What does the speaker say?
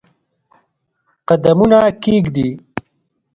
قدمونه کښېږدي